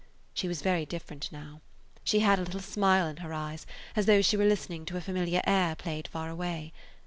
She was very different now; she had a little smile in her eyes, as though she were listening to a familiar air played far away.